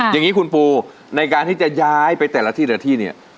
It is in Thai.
อย่างนี้คุณปูในการที่จะย้ายไปแต่ละที่แต่ละที่เนี่ย